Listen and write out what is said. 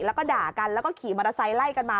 แล้วก็ด่ากันแล้วก็ขี่มอเตอร์ไซค์ไล่กันมา